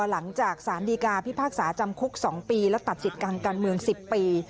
หลังจากสารดีกาพิพากษาจำคุก๒ปีและตัดสิทธิ์ทางการเมือง๑๐ปี